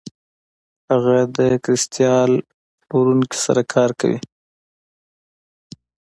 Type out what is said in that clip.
هغه د کریستال پلورونکي سره کار کوي.